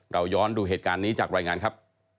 เราย้อนดูเหตุการณ์นี้จากรายงานครับ